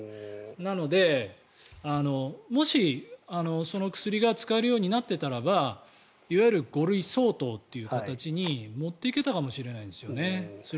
なので、もしその薬が使えるようになってたらばいわゆる５類相当という形に持っていけたかもしれない。